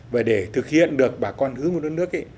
và để thực hiện được bà con hướng về đất nước